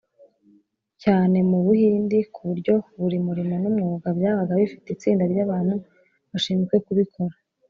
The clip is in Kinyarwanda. cyane mu buhindi ku buryo buri murimo n’umwuga byabaga bifite itsinda ry’abantu bashinzwe kubikora.